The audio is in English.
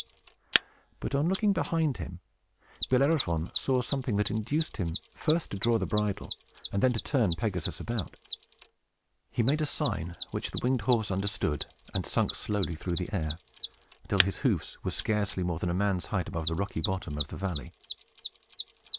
But, on looking behind him, Bellerophon saw something that induced him first to draw the bridle, and then to turn Pegasus about. He made a sign, which the winged horse understood, and sunk slowly through the air, until his hoofs were scarcely more than a man's height above the rocky bottom of the valley.